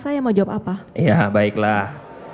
saya mau jawab apa ya baiklah